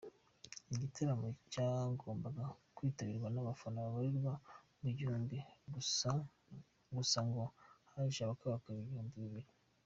Igitaramo cyagombaga kwitabirwa n’abafana babarirwa mu gihumbi gusa ngo haje abakabakaba ibihumbi bibiri.